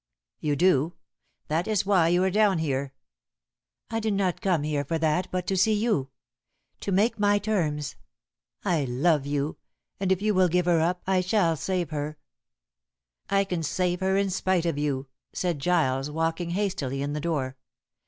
"You do that is why you are down here." "I did not come here for that, but to see you. To make my terms. I love you, and if you will give her up, I shall save her " "I can save her in spite of you," said Giles, walking hastily in the door.